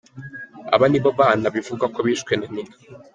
Aba nibo bana bivugwa ko bishwe na nyina.